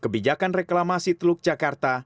kebijakan reklamasi teluk jakarta